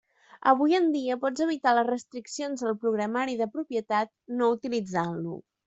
Avui en dia pots evitar les restriccions del programari de propietat no utilitzant-lo.